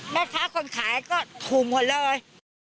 แม่ค้าคนขายก็ถูกหมดเลย